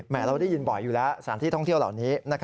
เราได้ยินบ่อยอยู่แล้วสถานที่ท่องเที่ยวเหล่านี้